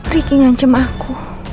riki ngancem aku